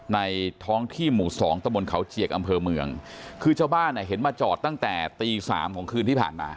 ในท้องที่หมู่สองตะบนเขาเจียกอำเภอเมืองคือชาวบ้านอ่ะเห็นมาจอดตั้งแต่ตีสามของคืนที่ผ่านมา